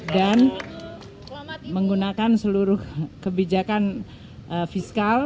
dan menggunakan seluruh kebijakan fiskal